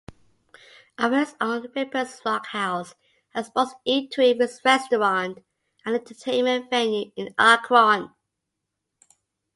Owens owned "Ripper's Rock House", a sports eatery, restaurant and entertainment venue, in Akron.